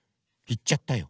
いっちゃったよ。